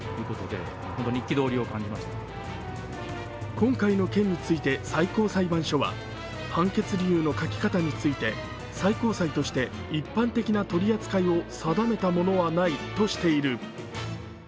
今回の件について最高裁判所は、判決理由の書き方について、最高裁として一般的な取り扱いを定めたものはないとしている。